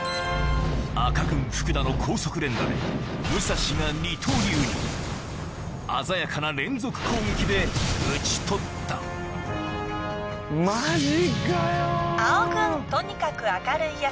赤軍・福田の高速連打で武蔵が二刀流に鮮やかな連続攻撃で討ち取ったマジかよ！